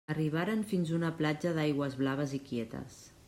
Arribaren fins a una platja d'aigües blaves i quietes.